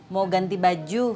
mau ganti baju